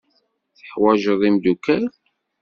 Teḥwajeḍ imeddukal.